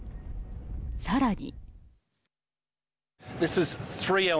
さらに。